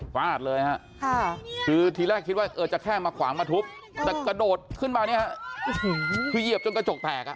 ฟาดเลยฮะคือทีแรกคิดว่าเออจะแค่มาขวางมาทุบแต่กระโดดขึ้นมาเนี่ยฮะคือเหยียบจนกระจกแตกอ่ะ